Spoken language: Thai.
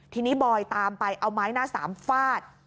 ทีนี้บอยตามไปเอาไม้หน้าสามฟาด